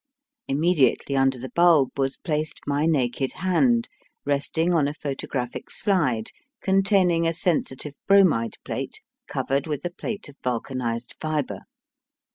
Immediately under the bulb was placed my naked hand resting on a photographic slide containing a sensitive bromide plate covered with a plate of vulcanised fibre.